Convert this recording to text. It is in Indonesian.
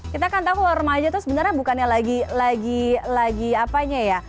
kita kan tahu kalau remaja itu sebenarnya bukannya lagi lagi lagi apanya ya